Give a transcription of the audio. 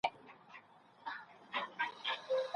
يوولس جمع يو؛ دوولس کېږي.